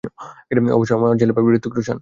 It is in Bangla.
অবশ্যই আমার ছেলে পাবে, হৃতিক রোশন।